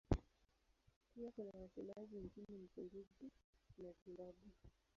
Pia kuna wasemaji nchini Msumbiji na Zimbabwe.